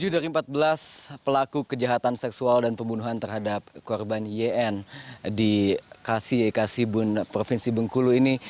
tujuh dari empat belas pelaku kejahatan seksual dan pembunuhan terhadap korban yn di kasibun provinsi bengkulu ini